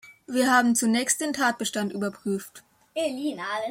Wir haben zunächst den Tatbestand überprüft.